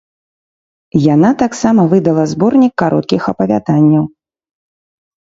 Яна таксама выдала зборнік кароткіх апавяданняў.